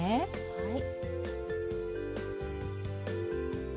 はい。